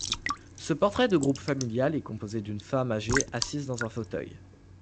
Ce portrait de groupe familial est composé d'une femme âgée assise dans un fauteuil.